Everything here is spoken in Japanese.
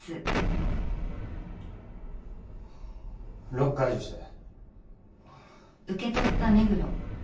ロック解除して。